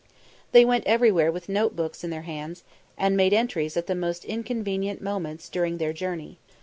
They went everywhere with note books in their hands, and made entries at the most inconvenient moments during their journey.